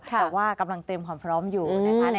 แต่ว่ากำลังเตรียมความพร้อมอยู่นะคะ